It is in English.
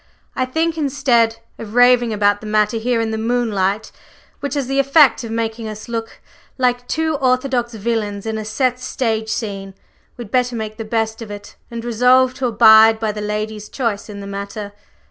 I think instead of raving about the matter here in the moonlight, which has the effect of making us look like two orthodox villains in a set stage scene, we'd better make the best of it, and resolve to abide by the lady's choice in the matter.